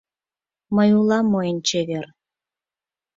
«Мый улам мо эн чевер